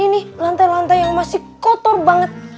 ini lantai lantai yang masih kotor banget